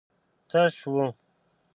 تش و.